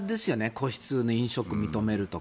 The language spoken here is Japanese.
個室の飲食認めるとか。